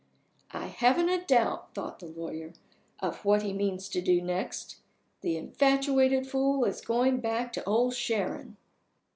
"I haven't a doubt," thought the lawyer, "of what he means to do next. The infatuated fool is going back to Old Sharon!"